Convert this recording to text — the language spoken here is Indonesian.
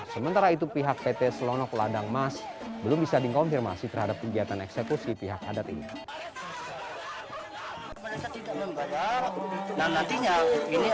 sementara itu pihak pt selonok ladang mas belum bisa dikonfirmasi terhadap kegiatan eksekusi pihak adat ini